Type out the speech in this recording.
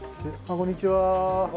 こんにちは。